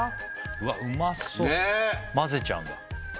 うわっうまそ混ぜちゃうんだねぇ